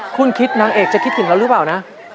คุณคิดนางเอกจะคิดถึงเราหรือเปล่านะ